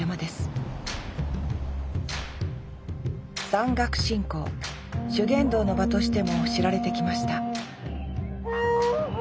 山岳信仰修験道の場としても知られてきました